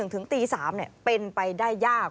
ถึงตี๓เป็นไปได้ยาก